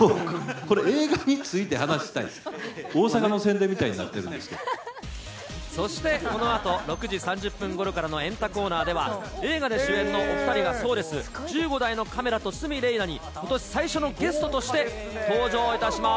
これ、映画について話したいのに、そして、このあと６時３０分ごろからのエンタコーナーでは、映画で主演のお２人が、１５台のカメラと鷲見玲奈にことし最初のゲストとして登場いたします。